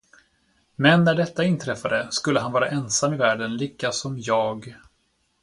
Men när detta inträffade, skulle han vara ensam i världen likasom jag.